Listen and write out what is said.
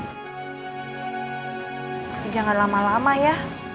jangan lama lama ya